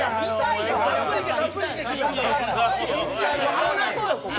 危なそうや、ここ。